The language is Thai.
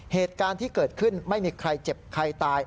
เหตุการณ์ที่เกิดขึ้นไม่มีใครเจ็บใครตาย